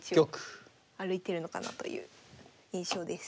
歩いてるのかなという印象です。